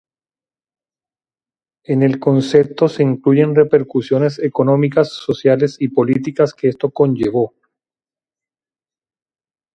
En el concepto se incluyen repercusiones económicas, sociales y políticas que esto conllevó.